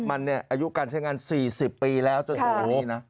มันเนี่ยอายุการใช้งาน๔๐ปีแล้วโหดีนะ